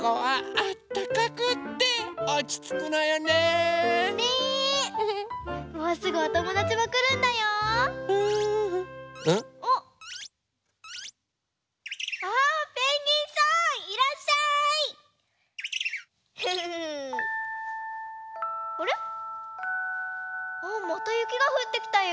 あっまたゆきがふってきたよ。